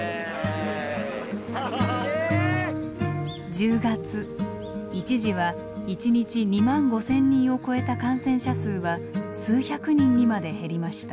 １０月一時は一日２万５，０００人を超えた感染者数は数百人にまで減りました。